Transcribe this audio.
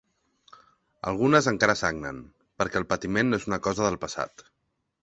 Algunes encara sagnen, perquè el patiment no és una cosa del passat.